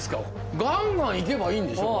ガンガンいけばいいんでしょ。